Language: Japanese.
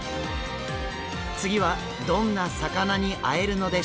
次はどんな魚に会えるのでしょうか。